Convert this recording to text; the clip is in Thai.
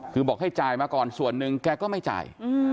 คือบอกให้จ่ายมาก่อนส่วนหนึ่งแกก็ไม่จ่าย